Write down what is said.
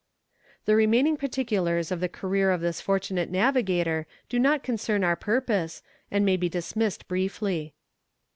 The remaining particulars of the career of this fortunate navigator do not concern our purpose, and may be dismissed briefly.